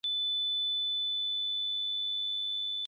მდებარეობს თუშეთ-ხევსურეთის კავკასიონზე, ხევსურეთის ქედის შუა ნაწილში.